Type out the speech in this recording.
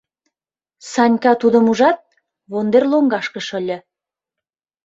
Санька тудым ужат, вондер лоҥгашке шыле.